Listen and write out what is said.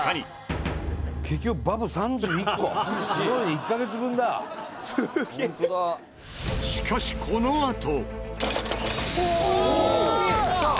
結局しかしこのあと。